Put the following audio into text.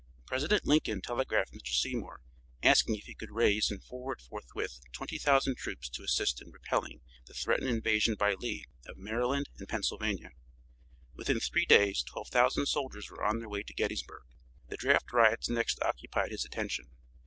President Lincoln telegraphed Mr. Seymour asking if he could raise and forward forthwith 20,000 troops to assist in repelling the threatened invasion by Lee, of Maryland and Pennsylvania. Within three days 12,000 soldiers were on their way to Gettysburg. The draft riots next occupied his attention.